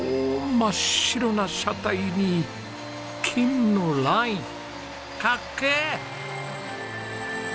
真っ白な車体に金のライン！かっけえ！